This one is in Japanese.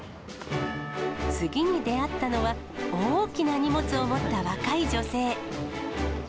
次に出会ったのは、大きな荷物を持った若い女性。